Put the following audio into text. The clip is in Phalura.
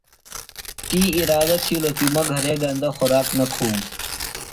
تی اِرادہ تھِیلوۡ کی مہ گھرے گندہ خوراک نہ کُھوم